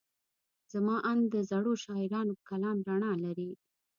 زما اند د زړو شاعرانو د کلام رڼا لري.